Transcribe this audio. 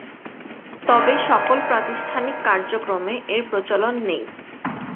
তবে সকল প্রাতিষ্ঠানিক কার্যক্রমে এর প্রচলন নেই।